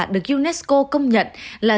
được unesco công nhận là